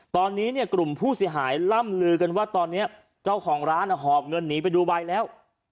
ตอนนี้เนี่ยกลุ่มผู้เสียหายล่ำลือกันว่าตอนนี้เจ้าของร้านหอบเงินหนีไปดูไวแล้ว